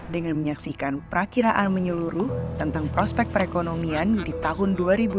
dengan menyaksikan perakiraan menyeluruh tentang prospek perekonomian di tahun dua ribu dua puluh